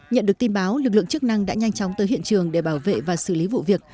nhận được tin báo lực lượng chức năng đã nhanh chóng tới hiện trường để bảo vệ và xử lý vụ việc